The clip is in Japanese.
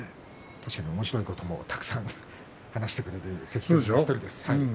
確かにおもしろいこともたくさん話してくれる関取ですよ。